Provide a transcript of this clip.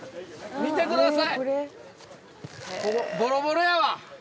見てください。